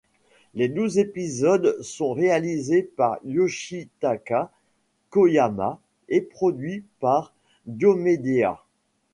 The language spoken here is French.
Les douze épisodes sont réalisés par Yoshitaka Koyama et produits par Diomedéa.